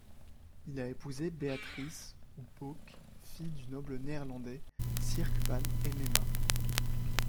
Il a épousé Béatrice, ou Bauck, fille du noble néerlandais Sierck van Hemmema.